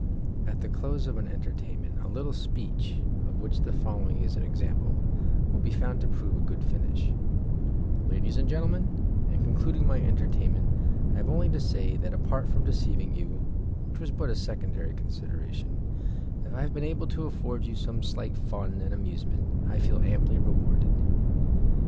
At the close of an entertainment a little speech, of which the following is an example, will be found to prove a good finish: "Ladies and gentlemen, in concluding my entertainment I have only to say that, apart from deceiving you, which was but a secondary consideration, if I have been able to afford you some slight fun and amusement I feel amply rewarded."